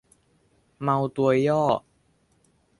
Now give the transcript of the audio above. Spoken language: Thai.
เมาตัวย่อ